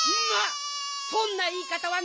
そんないいかたはないでしょ！